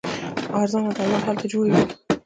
ارزانه درمل هلته جوړیږي.